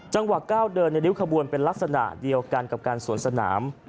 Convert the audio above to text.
ก้าวเดินในริ้วขบวนเป็นลักษณะเดียวกันกับการสวนสนาม